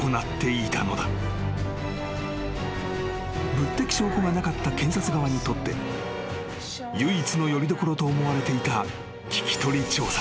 ［物的証拠がなかった検察側にとって唯一のよりどころと思われていた聞き取り調査］